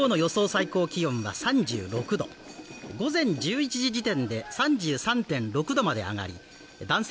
最高気温は３６度午前１１時時点で３３．６度まで上がり男性